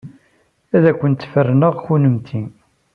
Ad kent-ferneɣ kennemti!